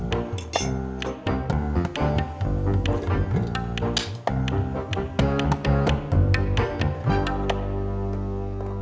itu yang apa